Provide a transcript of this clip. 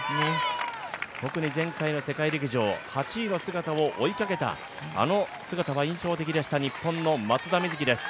特に前回の世界陸上、８位の姿を追いかけた、あの姿が印象的でした日本の松田瑞生です。